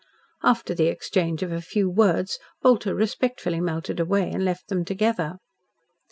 After the exchange of a few words Bolter respectfully melted away and left them together.